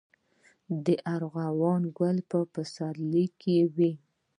د ارغوان ګل په پسرلي کې وي